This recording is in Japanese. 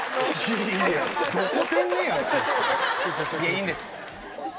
いいんです。